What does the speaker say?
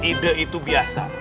ide itu biasa